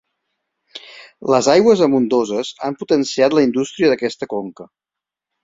Les aigües abundoses han potenciat la indústria d'aquesta conca.